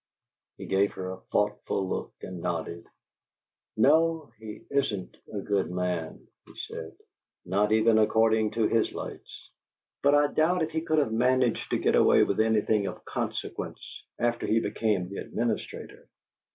He gave her a thoughtful look and nodded. "No, he isn't a good man," he said, "not even according to his lights; but I doubt if he could have managed to get away with anything of consequence after he became the administrator.